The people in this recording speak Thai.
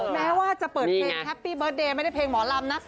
แม้ว่าจะเปิดเพลงแฮปปี้เบิร์ตเดย์ไม่ได้เพลงหมอลำนะ